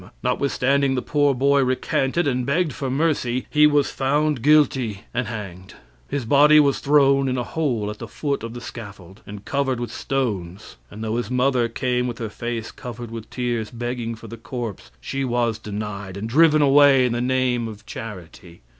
Notwithstanding the poor boy recanted and begged for mercy, he was found guilty and hanged. His body was thrown in a hole at the foot of the scaffold and covered with stones, and though his mother came with her face covered with tears, begging for the corpse, she was denied and driven away in the name of charity.